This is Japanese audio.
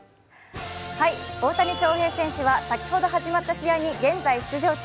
大谷翔平選手は先ほど始まった試合に現在出場中。